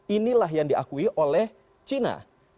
inilah yang diakui oleh cina